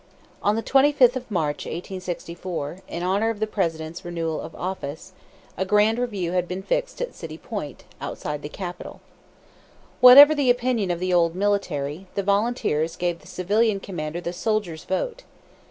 On the 25th of March, 1864, in honor of the President's renewal of office, a grand review had been fixed at City Point, outside the capital. Whatever the opinion of the old military, the volunteers gave the civilian commander "the soldiers' vote."